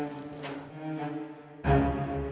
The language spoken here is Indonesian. apa malah wrist stolen ya